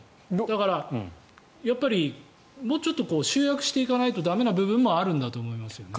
だから、もうちょっと集約していかないと駄目な部分もあるんだと思いますね。